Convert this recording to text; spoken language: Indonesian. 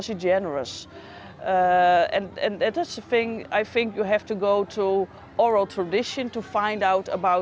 untuk mengetahui tentang hal hal seperti itu